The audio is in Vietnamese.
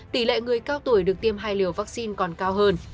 tỷ lệ người cao tuổi được tiêm hai liều vaccine còn cao hơn